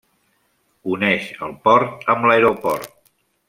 Uneix el port amb l'aeroport.